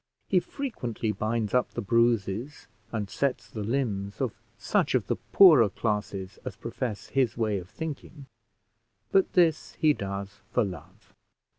He frequently binds up the bruises and sets the limbs of such of the poorer classes as profess his way of thinking, but this he does for love.